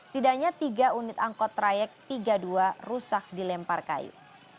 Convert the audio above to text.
tidaknya tiga unit angkot trayek tiga puluh dua rusak dilempar kayu